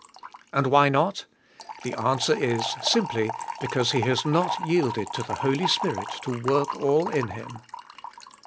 And why not? The answer is, simply be cause he has not yielded to the Holy Spirit to work all in him.